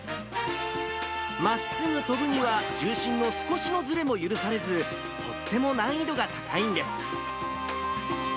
まっすぐ跳ぶには、重心の少しのずれも許されず、とっても難易度が高いんです。